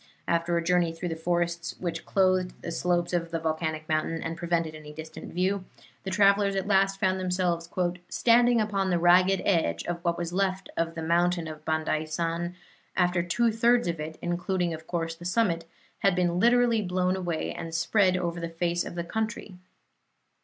After a journey through the forests which clothed the slopes of the volcanic mountain and prevented any distant view, the travelers at last found themselves "standing upon the ragged edge of what was left of the mountain of Bandaisan, after two thirds of it, including, of course, the summit, had been literally blown away and spread over the face of the country.